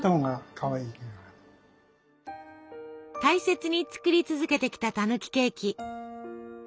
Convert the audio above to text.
大切に作り続けてきたたぬきケーキ。